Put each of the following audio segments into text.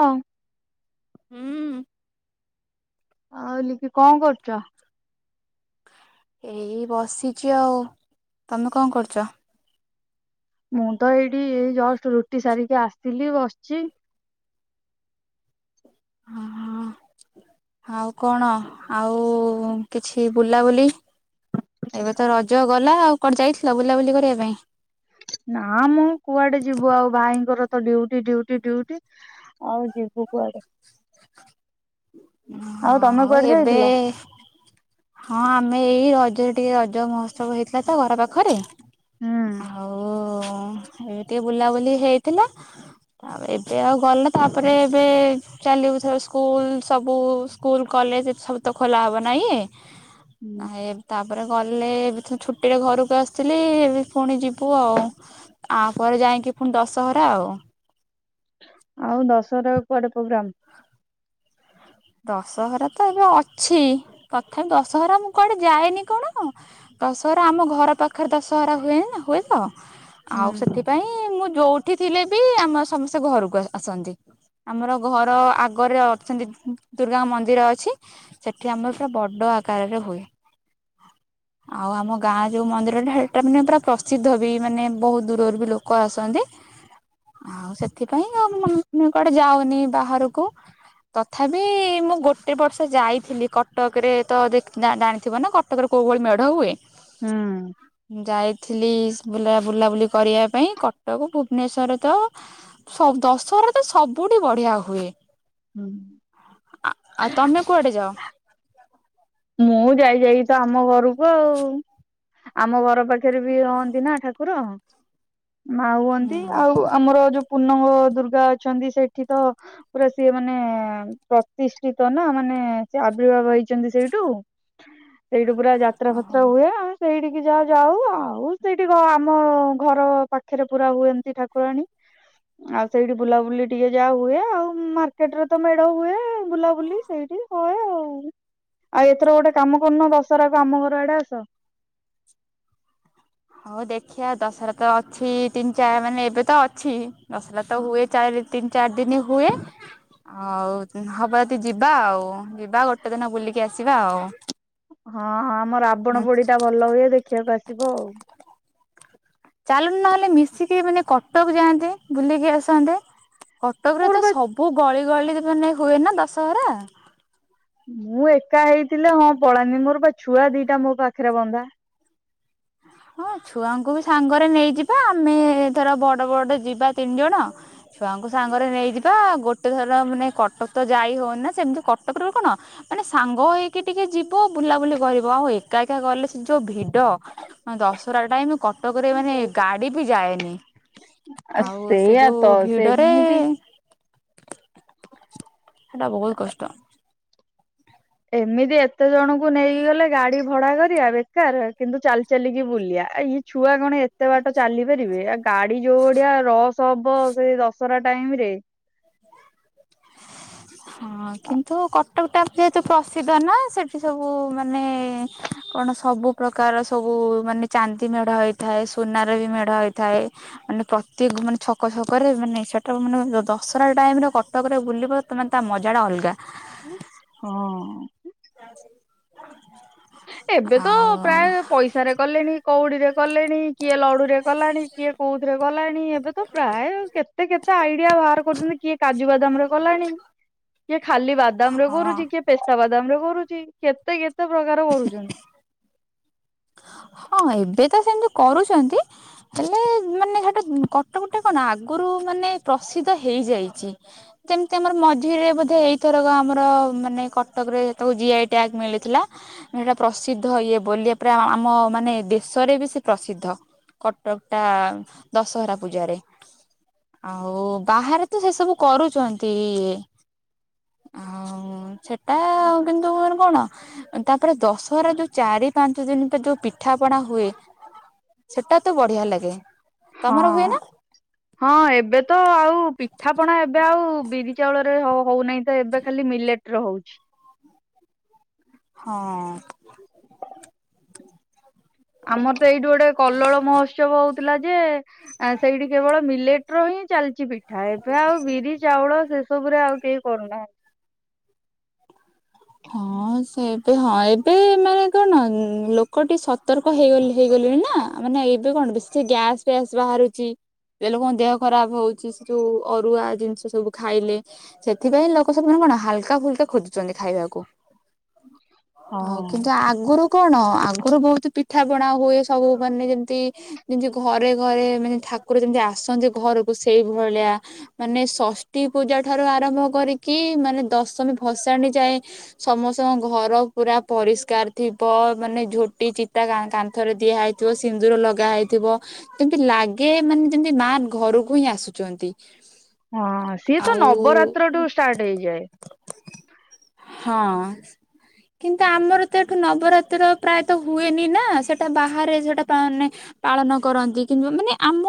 ହଁ। ହୁଁ। ଆଉ ଲିପି କଣ କରୁଛ? ଏଇ ବସିଛି ଆଉ ତମେ କଣ କରୁଛ? ମୁଁ ତ ଏଇଠି ଏଇ ଜଷ୍ଟ ରୁଟି ସାରିକି ଆସିଲି ବସିଛି। ହ-ହଁ। ଆଉ କଣ ଆଉ କିଛି ବୁଲାବୁଲି? ଏବେ ତ ରଜ ଗଲା ଆଉ କଣ ଯାଇଥିଲ ବୁଲାବୁଲି କରିବା ପାଇଁ। ନା ମୁଁ କୁଆଡେ ଯିବୁ ଆଉ ଭାଇଙ୍କର ତ ଡିଉଟି-ଡିଉଟି-ଡିଉଟି ଆଉ ଯିବୁ କୁଆଡେ। ଆଉ ତମେ ହଁଉ କୁଆଡେ ଏବେ ଯାଇଥିଲ? ହଁ ଆମେ ଏଇ ରଜ ଟିକେ ରଜ ମହୋତ୍ସବ ହେଇଥିଲା ତ ଘର ପାଖରେ ହୁଁ। ଆଉ ହ ଏବେ ଟିକେ ବୁଲାବୁଲି ହେଇଥିଲା ତାପରେ ଏବେ ଆଉ ଗଲା ତାପରେ ଏବେ ଚାଲିବୁ ସ୍କୁଲ ସବୁ ସ୍କୁଲ କଲେଜ ଏ ସବୁ ତ ଖୋଲା ହବ ନାଇଁ ହୁଁ। ତା ତାପରେ ଗଲେ ଏବେ ତ ଛୁଟିରେ ଘରକୁ ଆସିଥିଲି ଏ ପୁଣି ଯିବୁ ଆଉ ତାପରେ ଯା କାହିଁକି ପୁଣି ଦଶହରା ଆଉ। ଆଉ ଦଶହରା କୁଆଡେ ପ୍ରୋଗ୍ରାମ? ଦଶହରା ତ ଏବେ ଅଛି ତଥାପି ଦଶହରା ମୁଁ କୁଆଡେ ଯାଏନି କଣ ଦଶହରା ଆମ ଘର ପାଖରେ ଦଶହରା ହୁଏ-ହୁଏ ତ ଆଉ ହୁଁ। ସେଥିପାଇଁ ମୁଁ ଯୋଉଠି ଥିଲେ ବି ଆମ ସମସ୍ତେ ଘରକୁ ଆ-ଆସନ୍ତି। ଆମର ଘର ଆଗରେ ଅଛନ୍ତି ଦୁର୍ଗା ମନ୍ଦିର ଅଛି ସେଠି ଆମର ପୁରା ବଡ଼ ଆକାରରେ ହୁଏ। ଆଉ ଆମ ଗାଁ ଯୋଉ ମନ୍ଦିରଟା ସେଟା ମାନେ ପୁରା ପ୍ରସିଦ୍ଧ ବି ମାନେ ବହୁତ ଦୂରରୁ ବି ଲୋକ ଆସନ୍ତି ଆଉ ସେଥିପାଇଁ ଆ ମୁଁ ବି କୁଆଡେ ଯାଉନି ବାହାରକୁ ତଥାପି ମୁଁ ଗୋଟେ ବର୍ଷ ଯାଇଥିଲି କଟକରେ ତ ଦେଖ ଜା-ଜାଣିଥିବ ନା କଟକରେ କୋଉ ଭଳି ମେଢ ହୁଏ। ହୁଁ। ଯାଇଥିଲି ବୁଲା ବୁଲାବୁଲି କରିବା ପାଇଁ, କଟକ ଭୁବନେଶ୍ୱର ତ ସବ ଦଶହରା ତ ସବୁଠି ବଢିଆ ହୁଏ। ହୁଁ। ଆ-ଆଉ ତମେ କୁଆଡେ ଯାଅ? ମୁଁ ଯାଇଯାଇକି ତ ଆମ ଘରକୁ ଆଉ। ଆମ ଘର ପାଖରେ ବି ହୁଅନ୍ତି ନା ଠାକୁର। ମା ହୁଁ ହୁଅନ୍ତି ଆଉ ଆମର ଯୋଉ ପୂର୍ଣ୍ଣଙ୍ଗ ଦୁର୍ଗା ଅଛନ୍ତି ସେଠି ତ ପୁରା ସିଏ ମାନେ ପ୍ରତିଷ୍ଠିତ ନା ମାନେ ମାନ ସେ ଆବିର୍ଭାବ ହେଇଛନ୍ତି ସେଇଠୁ-ସେଇଠୁ ପୁରା ଯାତ୍ରା ଓହୋ। ଫାତ୍ରା ହୁଏ ଆଉ ସେଇଠି ଯା-ଯାଉ ଆଉ ସେଇଠିକି ଆମ ଘର ପାଖରେ ପୁରା ହୁଏ ଏମତି ଠାକୁରାଣୀ। ଆଉ ସେଇଠି ବୁଲାବୁଲି ଟିକେ ଯାହା ହୁଏ ଆଉ ମାର୍କେଟରେ ତ ମେଢ ହୁଏ ବୁଲାବୁଲି ସେଇଠି [unintelligible] ହୋଏ ଆଉ। ଆଉ ଏଥର ଗୋଟେ କାମ କରୁନ ଦଶହରାକୁ ଆମ ଘର ଆଡେ ଆସ। ହଉ ଦେଖିଆ ଦଶହରା ତ ଅଛି ତିନି ଚାର ମାନେ ଏବେ ତ ଅଛି ଦଶରା ତ ହଁ ହୁଏ ଚାରି ତିନି ଚାରି ଦିନ ହୁଏ ହଉ ହବ ଯଦି ଯିବା ଆଉ, ଯିବା ଗୋଟେ ଦିନ ବୁଲିକି ଆସିବା ଆଉ। ହଁଁ ଆମ ରାବଣ ପୋଡି ଟା ଭଲ ହୁଏ ଦେଖିବାକୁ ଆସିବ ଉ। ଚାଲୁନୁ ନହେଲେ ମିଶିକି ମାନେ କଟକ ଯାଆନ୍ତେ, ବୁଲିକି ଆସନ୍ତେ। କଟକରେ ମୋର ତ ବା ସବୁ ଗଳି ଗଳି ମାନେ ହୁଏ ନା ଦଶହରା। ମୁଁ ଏକା ହେଇଥିଲେ ହଁ ପଳାନ୍ତି। ମୋର ବା ଛୁଆ ଦିଟା ମୋ ପାଖରେ ବନ୍ଧା। ହଁ ଛୁଆଙ୍କୁ ବି ସାଙ୍ଗରେ ନେଇଯିବା, ଆମେ ଧର ବଡ ବଡ ଯିବା ତିନି ଜଣ ଛୁଆଙ୍କୁ ସାଙ୍ଗରେ ନେଇଯିବା, ଗୋଟେ ଥର ମାନେ କଟକ ତ ଯାଇ ହଉନି ନା, ସେମିତି କଟକରେ କଣ ମାନେ ସାଙ୍ଗ ହେଇକି ଟିକେ ଯିବ ବୁଲାବୁଲି କରିବ ଆଉ ଏକା ଏକା ଗଲେ ସେ ଯୋଉ ଭିଡ ଦଶରା ଟାଇମ କଟକରେ ମାନେ ଗାଡି ବି ଯାଏନି। ଆ ଆଉ ସେ ସେଇଆ ଯୋଉ ତ ଭିଡରେ ସେମିତି ସେଟା ବହୁତ କଷ୍ଟ। ଏମିତି ଏତେ ଜଣଙ୍କୁ ନେଇକି ଗଲେ ଗାଡି ଭଡା କରିଆ ବେକାର କିନ୍ତୁ ଚାଲି ଚାଲିକି ବୁଲିଆ। ଆ ଇ ଛୁଆ କଣ ଏତେ ବାଟ ଚାଲିପାରିବେ? ଆ ଗାଡି ଯୋଉ ଭଡିଆ ରସ ହବ ସେଇ ଦଶହରା ଟାଇମରେ ହଁ କିନ୍ତୁ କଟ କଟକ ଟା ଯେହେତୁ ପ୍ରସିଦ୍ଧ ନା ସେଠି ସବୁ ମାନେ କଣ ସବୁ ପ୍ରକାର ସବୁ ସବୁ ମାନେ ଚାନ୍ଦି ମେଢ ହେଇଥାଏ, ସୁନାର ବି ମେଢ ହେଇଥାଏ, ମାନେ ପ୍ରତି କୁ ମାନେ ଛକ ଛକ କରେ ମାନେ ସେଟା ମାନେ ଦଶରା ଟାଇମର କଟକରେ ବୁଲିବା ତ ତାମାନେ ମଜା ଟା ଅଲଗା। ହଁ। ଏବେ ତ ଆଉ ପ୍ରାୟ ପଇସାରେ କଲେଣି କଉଡିରେ କଲେଣି କିଏ ଲଡୁରେ କଲାଣି କିଏ କୋଉଥିରେ କଲାଣି। ଣି ଏବେ ତ ପ୍ରାୟ କେତେ କେତେ ଆଇଡିଆ ବାହାର କରୁଛନ୍ତି କିଏ କାଜୁ ବାଦାମର କଲାଣି କିଏ ଖାଲି ବାଦମରେ ହଁ କରୁଛି କିଏ ପେସ୍ତାବାଦା ବାଦାମରେ କରୁଛି କେତେ କେତେ ପ୍ରକାର କରୁଛନ୍ତି । ହଁ ଏବେ ତ ସେମିତି କରୁଛନ୍ତି ହେଲେ ମାନେ ହେଟା କଟମଟେ କଣ ଆଗରୁ ମାନେ ପ୍ରସିଦ୍ଧ ହେଇଯାଇଛି ଯେମିତି ଆମର ମଝିରେ ବେ ଏଇଥର ଆମର ମାନେ କଟକ ରେ ତାକୁ ଜିଆଇ ଟ୍ୟାଗ ମିଳିଥିଲା ସେଟା ପ୍ରସିଦ୍ଧ ଇଏ ବୋଲି ପ ଆମ ମାନେ ଦେଶରେ ବି ସେ ପ୍ରସିଦ୍ଧ କଟକ ଟା ଦଶହରା ପୂଜାରେ। ଆଉ ବାହାରେ ତ ସେ ସବୁ କରୁଛନ୍ତି। ହ ସେଟା କିନ୍ତୁ କଣ ତାପରେ ଦଶହରା ଯୋଉ ଚାରି ଚାରି ପାଞ୍ଚ ଦିନ ତ ଯୋଉ ପିଠା ପଣା ହୁଏ ସେଟା ତ ବଢିଆ ଲାଗେ। ତମର ହୁଏ ନା ହଁ-ହଁ, ଏବେ ତ ଆଉ ପିଠାପଣା ଏବେ ଆଉ ବିରି ଚାଉଳରେ ହଉନାହିଁ ତ ଏବେ ଖାଲି ମିଲେଟରେ ହଉଛି। ହଁ। [unintelligible] ଆମର ତ ଏଇଠି ଗୋଟେ କଲଳ ମହୋତ୍ସବ ହଉଥିଲା ଯେ ସେଇଠି କେବଳ ମିଲେଟ୍ ର ହିଁ ଚାଲି କିଛି ପିଠା ଏବେ ଆଉ ବିରି ଚାଉଳ ସେ ସବୁରେ ଆଉ କେହି କରୁନାହାନ୍ତି। ହଁ ସେବେ ହଁ ଏବେ ମାନେ କଣ ଲୋକ ଟେ ସତର୍କ ହେଇଗ- ହେଇଗଲେ। [unintelligible] ନା ମାନେ ଏବେ କଣ ବେଶି ଗ୍ୟାସ ଫ୍ୟାସ୍ ବାହାରୁଛି ଏ ଲୋକଙ୍କ ଦେହ ଖରାପ ହଉଛି ସେ ଯୋଉ ଅରୁଆ ଜିନିଷ ସବୁ ଖାଇଲେ ସେଥିପାଇଁ ଲୋକ ସ କଣ ହାଲକା ଫୁଲକା ଖୋଜୁଛନ୍ତି ଖାଇବାକୁ ହଉ ହଁ। କିନ୍ତୁ ଆଗରୁ କଣ? ଆଗରୁ ବହୁତ ପିଠା ପଣା ହୁଏ ସବୁ ମାନେ ଯେମିତି- ଯେମତି ଘରେ-ଘରେ ମାନେ ଠାକୁର ଯେମତି ଆସନ୍ତି ଘରକୁ ସେଇଭଳିଆ ମାନେ ଷଷ୍ଠୀ ପୂଜା ଠାରୁ ଆରମ୍ଭ କରିକି ମାନେ ଦଶମୀ ଭସାଣି ଯାଏ ସମସ୍ତଙ୍କ ଘର ପୁରା ପରିଷ୍କାର ଥିବ ମାନେ ଝୋଟି ଚିତା କାନ୍ଥରେ ଦିଆ ହେଇଥିବ ସିନ୍ଦୁର ଲଗା ହେଇଥିବ, ଯେମତି ଲାଗେ ମାନେ ଯେମିତି ମା ଘରକୁ ହିଁ ଆସୁଛନ୍ତି। ହଁ, ସିଏ ଆଉ ତ ନବରାତ୍ର ଠୁ ଷ୍ଟାର୍ଟ ହେଇଯାଏ। ହଁ। କିନ୍ତୁ ଆମର ତ ଏଠୁ ନବରାତ୍ର ପ୍ରାୟତଃ ହୁଏନି ନା ସେଟା ବାହାରେ ସେଟା ବାହାରେ ପା ପାଳନ କରନ୍ତି କିମ୍ବା ମାନେ ଆମ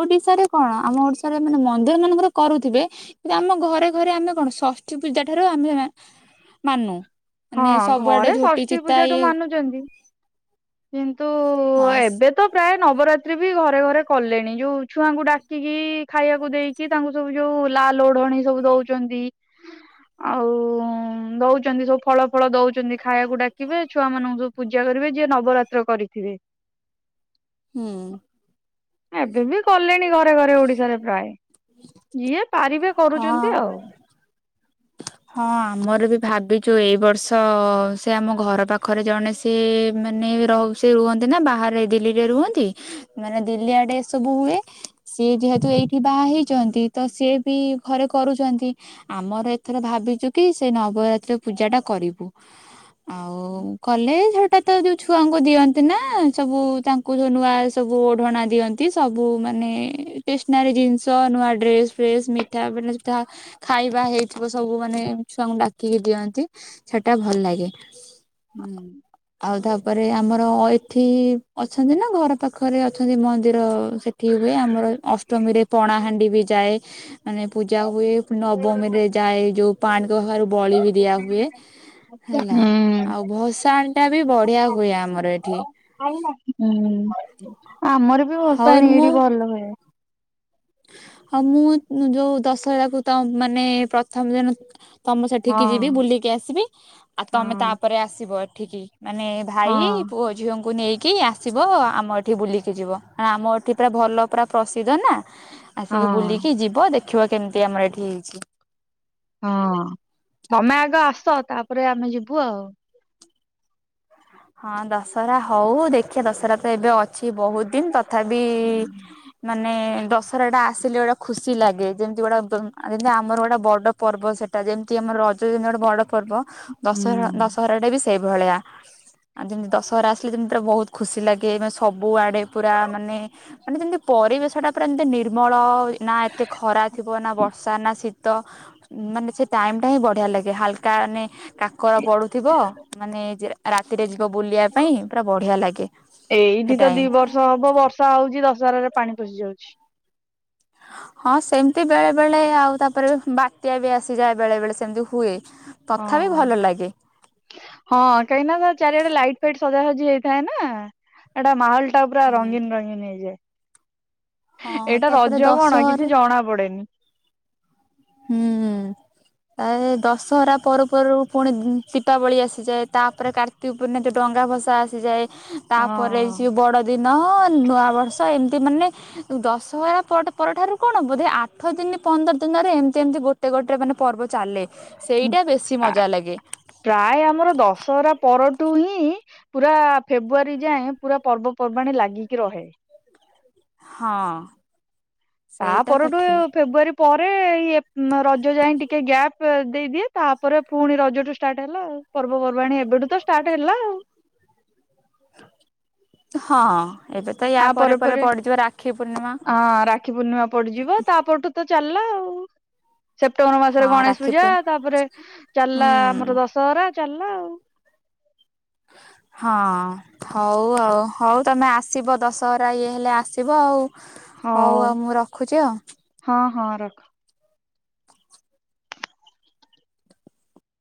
ଓଡିଶାରେ କଣ ଆମ ଓଡିଶାରେ ମାନେ ମନ୍ଦିର ମାନଙ୍କର କରୁ ଥିବେ ।କିନ୍ତୁ ଆମ ଘରେ ଘରେ ଆମେ କଣ ଷଷ୍ଠୀ ପୂଜା ଠାରୁ ଆମେ ମାନୁ। ହଁ, ମାନେ ସବୁଆଡେ ଘରେ ଝୋଟି ଷଷ୍ଠୀ ଚିତା ପୂଜାଠୁ ଇଏ ମାନୁଛନ୍ତି। କିନ୍ତୁ ହଁ ଏବେ ତ ପ୍ରାୟ ନବରାତ୍ରି ବି ଘରେ ଘରେ କଲେଣି ଯୋଉ ଛୁଆଙ୍କୁ ଡାକିକି ଖାଇବାକୁ ଦେଇକି ତାଙ୍କୁ ସବୁ ଯୋଉ ଲା ଲଢଣୀ ସବୁ ଆଉ ଦଉଛନ୍ତିୁ, ଆଉ ନଉଛନ୍ତି ଫଳ ଫଳ ଦଉଛନ୍ତି ଖାଇବାକୁ ଡାକିବେ ଛୁଆ ମାନଙ୍କୁ ସ ପୂଜା କରିବେ ଯିଏ ନ ନବରାତ୍ର କରିଥିବେ। ହୁଁ। ଏବେ ବି କଲେଣି ଘରେ ଘରେ ଓଡିଶାରେ ପ୍ରାୟ ଯିଏ ପାରିବେ କରୁଛନ୍ତି ହଁ ଆଉ। ହଁ ଆମର ବି ଭାବିଛୁ ଏଇ ବର୍ଷ ସେ ଆମ ଘର ପାଖରେ ଜଣେ ସିଏ ମାନେ ରହୁ ସେ ରୁହନ୍ତି ନା ବାହାରେ ଦିଲ୍ଲୀରେ ରୁହନ୍ତି ମାନେ ଦିଲ୍ଲୀ ଆଡେ ଏ ସବୁ ହୁଏ ସିଏ ଯେହେତୁ ଏଇଠି ବାହା ହେଇଛନ୍ତି ତ ସିଏ ବି ଘରେ କରୁଛନ୍ତି ଆମର ଥରେ ଭାବିଛୁ କି ସେ ନବରାତ୍ରି ପୂଜା ଟା କରିବୁ ଆଉ କଲେ ହଟାତ୍ ତ ଯୋଉ ଛୁଆଙ୍କୁ ଦିଅନ୍ତି ନା ସବୁ ତାଙ୍କୁ ଯ ନୂଆ ସବୁ ଓଢଣା ଦିଅନ୍ତି, ସବୁ ମାନେ ଟ୍ରେସନାରୀ ଜିନିଷ, ନୂଆ ଡ୍ରେସ୍ ଫେସ୍, ମିଠା ଯାହା ଖାଇବା ହେଇ ସବୁ ମାନେ ଛୁଆଙ୍କୁ ଡାକିକି ଦିଅନ୍ତି ସେଟା ଭଲ ଲାଗେ। ହୁଁ। ତା ପରେ ଆମର ଏଠି ଅଛନ୍ତି ନା ଘର ପାଖରେ ଅଛନ୍ତି ମନ୍ଦିର ସେଠି ହୁଏ ଆମର ଅଷ୍ଟମୀରେ ପଣାହାାଣ୍ଡି ବି ଯାଏ ମାନେ ପୂଜା ହୁଏ ନବମୀ ରେ ଯାଏ ଯୋଉ ପାଣିକଖାରରୁ ବଳି ବି ଦିଆ ହୁଏ ହେଲା ହୁଁ। ଆଉ ଭସାଣ ଟା ବି ବଢିଆ ହୁଏ ଆମର ଏଠି। ହୁଁ ଆମର ବି ଭସାଣି ଏଇଠି ଭଲ ହୁଏ। ହଁ ମୁଁ ଯୋଉ ଦଶହରାକୁ ତ ମାନେ ପ୍ରଥମ ଦିନ ତମେ ହଁ ସେଠିକି ଯିବି ବୁଲିକି ଆସିବି । ଆଉ ତମେ ହଁ ତାପରେ ଆସିବ ଏଠିକି । ମାନେ ହଁ ଭାଇ ପୁଅ ଝିଅଙ୍କୁ ନେଇକି କି ଆସିବ ଆମ ଏଠି ବୁଲିକି ଯିବ । ଆମ ଏଠି ପୁରା ଭଲ ପୁରା ପ୍ରସିଦ୍ଧ ନା ଆସିକି ହଁ। ବୁଲିକି ଯିବ ଦେଖିବା କେମିତି ଆମର ଏଠି ହେଇଛି । ହଁ ତମେ ଆଗ ଆସ ତାପରେ ଆମେ ଯିବୁ ଆଉ । ହଁ ଦଶହରା ହଉ ଦେଖିବା ଦଶହରା ତ ଏବେ ଅ ଅଛି ବହୁତ ଦିନ ତଥାପି ମାନେ ମାନେ ଦଶରା ଟା ଆସିଲେ ଗୋଟେ ଖୁସି ଲାଗେ ଯେମିତି ଗୋଟା ଯେମିତି ଆମର ଗୋଟେ ବଡ ପର୍ବ ସେଟା ଯେମିତି ଆମର ରଜ ଯେମିତି ଗୋଟେ ବଡ ପର୍ବ ଦଶହରା ହୁଁ। ଦଶହରାଟା ବି ସେଇଭଳିଆ। ଆଉ ଯେମିତି ଦଶହରା ଆସିଲେ ଯେମିତି ତାର ବହୁତ ଖୁସି ଲାଗେ ସବୁ ଆଡେ ପୁରା ମାନେ ମାନେ ଯେମିତି ପରିବେଶଟା ପୁରା ଏମତି ନିର୍ମଳ ନା ଏତେ ଖରା ଥିବ ନା ବର୍ଷା ନା ଶୀ ତ ମାନେ ସେ ଟାଇମ ଟା ହିଁ ବଢିଆ ଲାଗେ ହାଲକା ମାନେ କାକର ପଡୁଥିବ ମାନେ ରାତିରେ ବୁଲିବା ପାଇଁ ପୁରା ବଢିଆ ଲାଗେ ସେ ଏଇଠି ତ ଟାଇମ ଦି ବର୍ଷ ହବ ବର୍ଷା ହଉଛି ଦଶହରାରେ ପାଣି ପଶି ଯାଉଛି । ହଁ ସେମତି ବେଳେ ବେଳେ ଆଉ ତାପରେ ବାତ୍ୟା ବି ଆସିଯାଏ ବେଳେ ବେଳେ ସେମତି ହୁଏ । ହଁ ହଁ କାହିଁ ନା ତ ଚାରିଆଡେ ଲାଇଟ ଫାଇ ସଜା ହଜି ହେଇଥାଏ ନା ଏଟା ମାହୋଲ ଟା ପୁରା ରଙ୍ଗୀନ ରଙ୍ଗୀନ ହେଇଯାଏ । ହଁ ଏଇଟା ତାପରେ ରଜ କଣ କିଛି ଦଶହରା ଜଣା ପଡେନି । ହୁଁ । ତା ଦଶହରା ପର୍ବରୁ ପୁଣି ଦୀପାବଳି ଆସିଯାଏ ତାପରେ କାର୍ତ୍ତି ପୂର୍ଣ୍ ଡଙ୍ଗା ଟଙ୍ଗା ଭସା ଆସିଯାଏ ତାପରେ ହଁ ବଡ ଦିନ ନ ନୂଆ ବର୍ଷ ଏମତି ମାନେ ଦଶହରା ପରଠାରୁ କଣ ବୋଧେ ଆଠ ଦିନ ପନ୍ଦର ଦିନରେ ଏମିତି ଏମିତି ଗୋଟେ ଗୋଟେ ମାନେ ପର୍ବ ଚାଲେ । ପ୍ରାୟ ଆମର ଦଶହରା ପର ତୁ ହିଁ ପୁରା ଫେବୃଆାରୀ ଯାଏଁ ପୁରା ପର୍ବପର୍ବାଣୀ ଲାଗିକି ରହେ । ହଁ । ତା ପରଠୁ ଫେବୃଆରୀ ପରେ ରଜ ଯାଇ ଟିକେ ଗ୍ୟାପ ଦେଇଦିଏ ତାପରେ ପୁଣି ରଜଠୁ ଷ୍ଟାର୍ଟ ହେଲା ଆଉ ପର୍ବପର୍ବାଣୀ। ଏବେଠୁ ତ ଷ୍ଟାର୍ଟ ହେଲା ଆଉ । ହଁ ହଁ। ତା ପରେ ପରେ ପୂର୍ଣ୍ଣିମା ହଁ ରାକ୍ଷୀ ପୂର୍ଣ୍ଣିମା ପଡିଯିବ ତାପରଠୁ ତ ଚାଲିଲା ଆଉ । ସେପ୍ଟେମ୍ବର ମାସରେ ହଁ ଗଣେଶ ରାକ୍ଷୀ ପୂଜା ପୂର୍ଣ୍ଣିମା ତାପରେ ଚାଲିଲା ଆମର ହୁଁ। ଦଶହରା । ଚାଲ୍ଳା ଆଉ । ହଁ ହଉ ଆଉ ହଉ ତମେ ଆସିବ ଦଶହରା ଇଏ ହେଲେ ଆସିବ ଆଉ । ହଉ ଆଉ ମୁଁ ରଖୁଛି ଆଉ । ହଁ ହଁ ରଖ ।